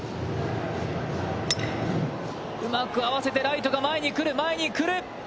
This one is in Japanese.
うまく合わせて、ライトが前に来る。